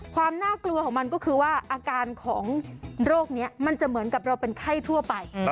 ความน่ากลัวของมันก็คือว่าอาการของโรคนี้มันจะเหมือนกับเราเป็นไข้ทั่วไป